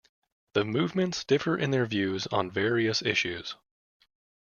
The movements differ in their views on various issues.